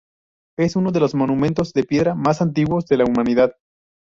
Es uno de los monumentos de piedra más antiguos de la humanidad.